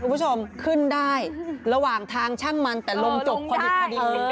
คุณผู้ชมขึ้นได้ระหว่างทางช่างมันแต่ลมจบพอดีพอดี